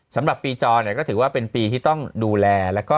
สำหรับปีจอเนี่ยก็ถือว่าเป็นปีที่ต้องดูแลแล้วก็